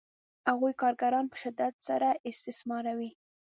هغوی کارګران په شدت سره استثماروي